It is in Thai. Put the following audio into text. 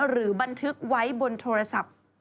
บันทึกไว้บนโทรศัพท์